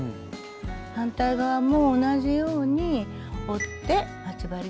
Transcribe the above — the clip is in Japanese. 反対側も同じように折って待ち針で留めておきます。